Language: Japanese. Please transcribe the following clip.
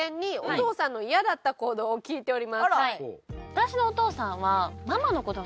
私のお父さんは。